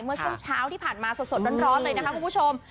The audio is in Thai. เมื่อช่วงเช้าที่ผ่านมาสดร้อนเลยนะคะคุณผู้ชม